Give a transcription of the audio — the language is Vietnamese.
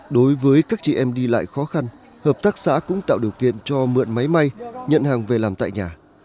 đối với các chị em đi lại khó khăn hợp tác xã cũng tạo điều kiện cho mượn máy may nhận hàng về làm tại nhà